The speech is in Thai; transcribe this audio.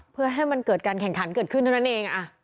เพื่อให้มันเกิดการแข่งขันเกิดขึ้นเท่านั้นเอง